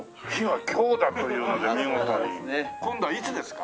今度はいつですか？